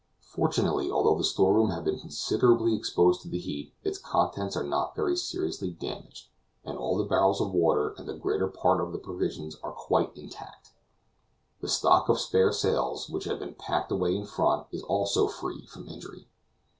Fortunately, although the store room has been considerably exposed to the heat, its contents are not very seriously damaged, and all the barrels of water and the greater part of the provisions are quite intact. The stock of spare sails, which had been packed away in front, is also free from injury.